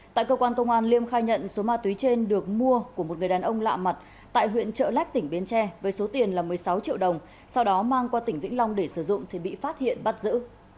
tại cơ quan công an liêm khai nhận số ma túy trên được mua của một người đàn ông lạ mặt tại huyện trợ lách tỉnh bến tre với số tiền là một mươi sáu triệu đồng sau đó mang qua tỉnh vĩnh long để sử dụng thì bị phát hiện bắt giữ